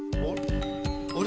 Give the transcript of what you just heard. あれ。